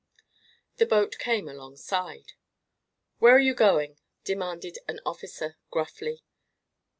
The boat came alongside. "Where are you going?" demanded an officer, gruffly.